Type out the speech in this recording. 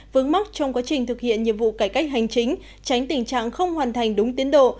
vướng mắc trong quá trình thực hiện nhiệm vụ cải cách hành chính tránh tình trạng không hoàn thành đúng tiến độ